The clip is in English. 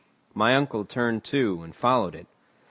My uncle turned too, and followed it.